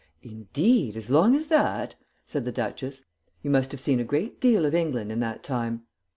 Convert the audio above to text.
"Indeed. As long as that?" said the Duchess. "You must have seen a great deal of England in that time."